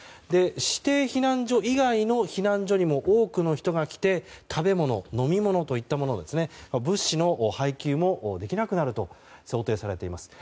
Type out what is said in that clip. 指定避難所以外の避難所にも多くの人が来て食べ物、飲み物といったもの物資の配給もできなくなると想定されています。